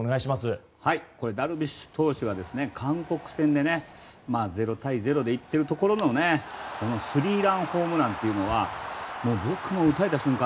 ダルビッシュ投手が韓国戦で０対０でいっているところのこのスリーランホームランは僕も打たれた瞬間